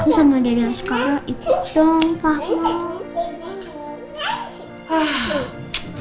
aku sama adea sekarang ikut dong papa